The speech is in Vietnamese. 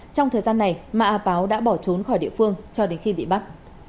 trong thời gian này mạ a páo đã bỏ trốn khỏi địa phương cho đến khi bị bắt